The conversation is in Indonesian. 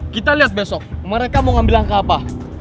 kita lihat besok mereka mau ambil langkah apa